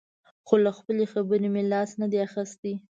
خو له خپلې خبرې مې لاس نه دی اخیستی.